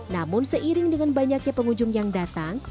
namun seiring dengan banyaknya pengunjung yang datang